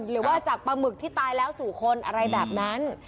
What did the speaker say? หรือว่าจากปลาหมึกที่ตายแล้วสู่คนอะไรแบบนั้น